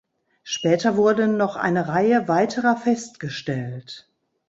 Später wurden noch eine Reihe weiterer festgestellt.